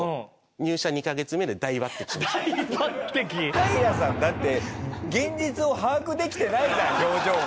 平さんだって現実を把握できてないじゃん表情が。